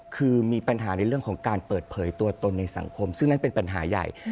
คือมีปัญหาในเรื่องของการเปิดเผยตัวตนในสังคมซึ่งนั่นเป็นปัญหาใหญ่